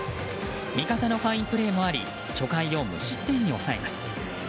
味方のファインプレーもあり初回を無失点に抑えます。